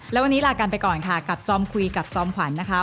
แล้ววันนี้ลากันไปก่อนค่ะกับจอมคุยกับจอมขวัญนะคะ